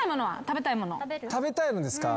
食べたいのですか？